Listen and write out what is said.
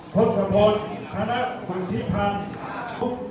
โทษสะพนธ์คณะสังทิพันธ์